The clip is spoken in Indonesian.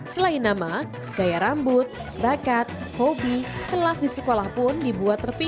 selain nama gaya rambut bakat hobi kelas di sekolah pun dibuat terpidana